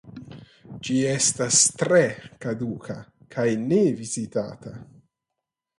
Ĝi estas tre kaduka kaj ne vizitata.